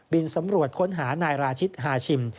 สำรวจค้นหานายราชิตฮาชิม